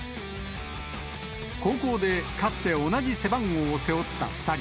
高校でかつて同じ背番号を背負った２人。